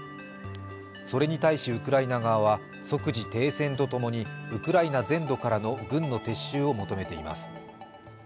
それに対しウクライナ側は即時停戦と共にウクライナ全土からの軍の撤収を求めています。